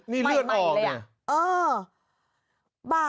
นี่เลือดออกเลยอะ